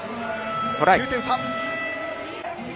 ９点差。